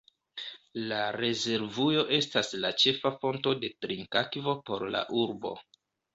La rezervujo estas la ĉefa fonto de trinkakvo por la urbo.